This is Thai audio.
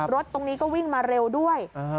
รถตรงนี้ก็วิ่งมาเร็วด้วย